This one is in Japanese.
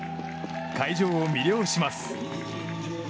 会場を魅了します。